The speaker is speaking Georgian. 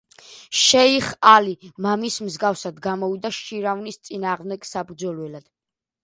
შეიხ ალი, მამის მსგავსად, გამოვიდა შირვანის წინააღმდეგ საბრძოლველად.